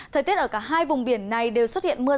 thời tiết ở cả hai vùng biển này đều xuất hiện mưa rông